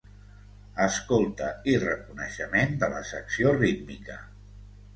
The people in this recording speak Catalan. Escolta i reconeixement de la secció rítmica.